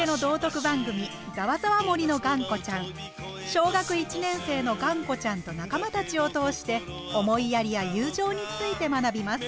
小学１年生のがんこちゃんと仲間たちを通して思いやりや友情について学びます。